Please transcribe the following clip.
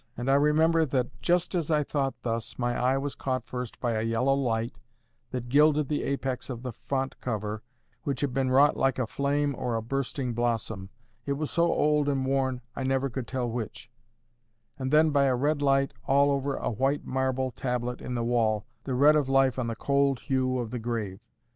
And I remember that just as I thought thus, my eye was caught first by a yellow light that gilded the apex of the font cover, which had been wrought like a flame or a bursting blossom: it was so old and worn, I never could tell which; and then by a red light all over a white marble tablet in the wall—the red of life on the cold hue of the grave.